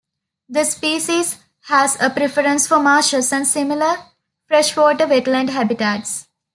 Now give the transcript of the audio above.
This species has a preference for marshes and similar freshwater wetland habitats.